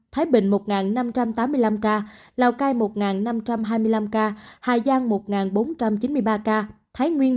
thái bình một năm trăm tám mươi năm ca lào cai một năm trăm hai mươi năm ca hà giang một bốn trăm chín mươi ba ca thái nguyên một bốn trăm tám mươi chín ca